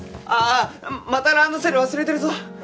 ああまたランドセル忘れてるぞ。